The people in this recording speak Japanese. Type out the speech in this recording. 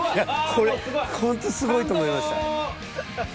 これホントすごいと思いました。